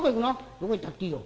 「どこ行ったっていいよ」。